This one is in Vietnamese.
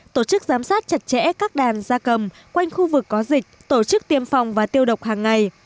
tổ chức giám sát chặt chẽ các đàn gia cầm quanh khu vực có dịch tổ chức tiêm phòng và tiêu độc hàng ngày